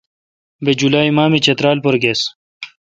بہ جولالی ماہ می چترال پر گیس۔